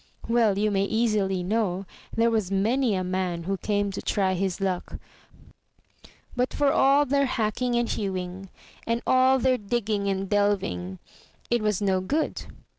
Well, you may easily know there was many a man who came to try his luck; but for all their hacking and hewing, and all their digging and delving, it was no good.